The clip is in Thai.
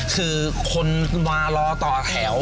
คือคนมารอต่อแถว